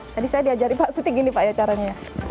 tadi saya diajari pak suti gini pak ya caranya